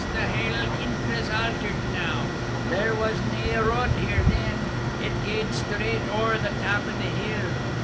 the haill kintra's altered now. There was nae road here then; it gaed straight ower the tap o' the hill.